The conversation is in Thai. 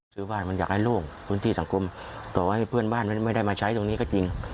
ซื้อบ้านมันอยากให้โล่งพื้นที่สังคมต่อให้เพื่อนบ้านไม่ได้มาใช้ตรงนี้ก็จริง